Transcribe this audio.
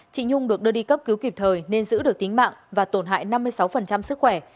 chị nhung được đưa đi cấp cứu kịp thời nên giữ được tính mạng và tổn hại năm mươi sáu sức khỏe